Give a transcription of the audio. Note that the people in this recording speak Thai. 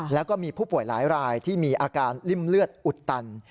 แล้วก็มีผู้ป่วยหลายรายที่มีอาการริ่มเลือดอุดตัน